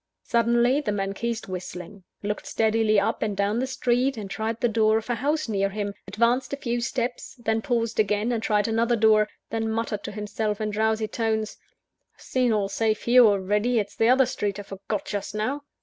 Suddenly, the man ceased whistling, looked steadily up and down the street, and tried the door of a house near him advanced a few steps then paused again, and tried another door then muttered to himself, in drowsy tones "I've seen all safe here already: it's the other street I forgot just now."